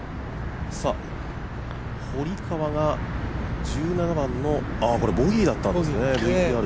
堀川が１７番の、これボギーだったんですね。